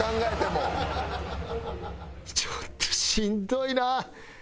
ちょっとしんどいな。